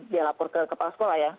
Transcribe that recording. dia lapor ke kepala sekolah ya